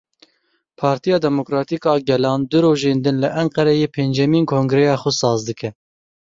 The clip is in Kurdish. Partiya Demokratîk a Gelan du rojên din li Enqereyê pêncemîn kongreya xwe saz dike.